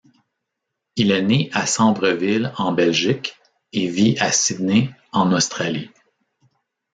Il est né à Sambreville en Belgique et vit à Sydney en Australie.